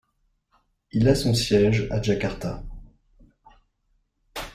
Il a son siège à Jakarta.